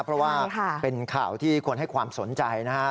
เพราะว่าเป็นข่าวที่คนให้ความสนใจนะฮะ